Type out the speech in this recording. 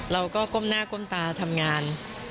เราก็ก้มหน้าก้มตาทำงาน